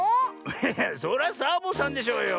そりゃサボさんでしょうよ。